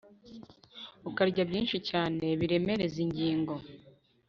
ukarya byinshi cyane biremereza ingingo